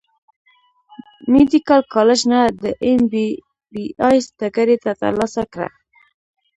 ميديکل کالج نۀ د ايم بي بي ايس ډګري تر لاسه کړه